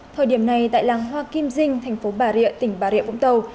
thời điểm này tại làng hoa kim dinh thành phố bà rịa tỉnh bà rịa vũng tàu